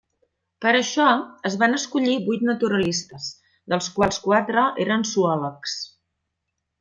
Per a això, es van escollir vuit naturalistes, dels quals quatre eren zoòlegs.